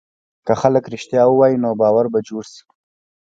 که خلک رښتیا ووایي، نو باور به جوړ شي.